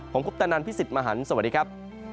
ผมคุปตะนันพี่สิทธิ์มหันฯสวัสดีครับ